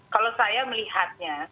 kalau saya melihatnya